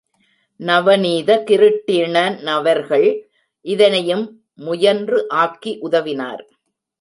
நவநீதகிருட்டிணனவர்கள் இதனையும் முயன்று ஆக்கி உதவினார்.